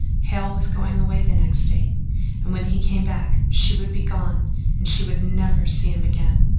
Hale was going away next day, and when he came back she would be gone and she would never see him again.